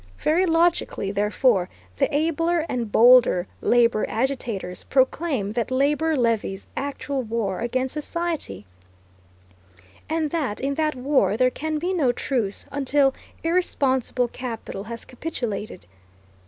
Very logically, therefore, the abler and bolder labor agitators proclaim that labor levies actual war against society, and that in that war there can be no truce until irresponsible capital has capitulated.